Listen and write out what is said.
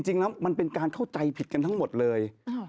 จริงแล้วมันเป็นการเข้าใจผิดกันทั้งหมดเลย